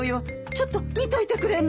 ちょっと見といてくれない？